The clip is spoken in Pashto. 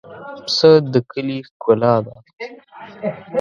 پسه د کلي ښکلا ده.